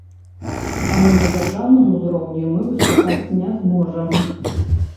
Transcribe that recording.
Таму на дзяржаўным узроўні мы выступаць не зможам.